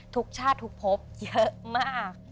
ทุกชาติทุกพบเยอะมาก